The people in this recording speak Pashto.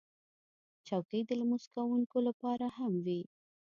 چوکۍ د لمونځ کوونکو لپاره هم وي.